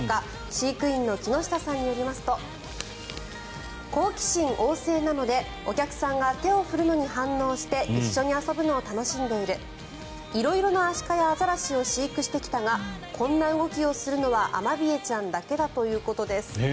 飼育員の木下さんによりますと好奇心旺盛なのでお客さんが手を振るのに反応して一緒に遊ぶのを楽しんでいる色々なアシカやアザラシを飼育してきたがこんな動きをしたのはアマビエちゃんだけだということです。